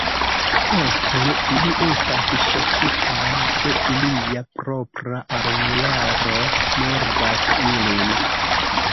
Poste ili estas ŝokitaj, se ilia propra armilaro murdas ilin.